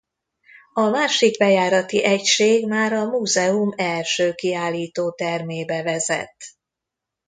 A másik bejárati egység már a múzeum első kiállítótermébe vezet.